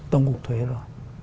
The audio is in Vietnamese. tổng cục thuế rồi